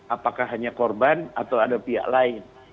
apakah hanya korban atau ada pihak lain